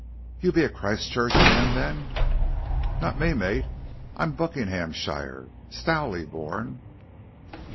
"You'll be a Christchurch man, then?" "Not me, mate. I'm Buckinghamshire. Stowley born."